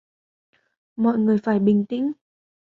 Mọi người phải bình tĩnh